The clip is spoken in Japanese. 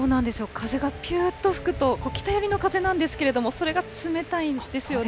風がぴゅーっと吹くと、北寄りの風なんですけれども、それが冷たいんですよね。